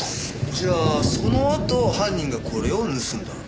じゃあそのあと犯人がこれを盗んだ。